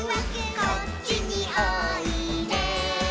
「こっちにおいで」